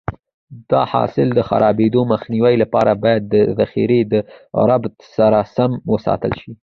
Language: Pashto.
د حاصل د خرابېدو مخنیوي لپاره باید ذخیره د رطوبت سره سم وساتل شي.